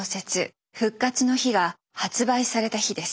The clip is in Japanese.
「復活の日」が発売された日です。